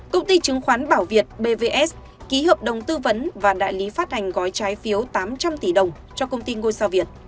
công ty chứng khoán bảo việt bvs ký hợp đồng tư vấn và đại lý phát hành gói trái phiếu tám trăm linh tỷ đồng cho công ty ngôi sao việt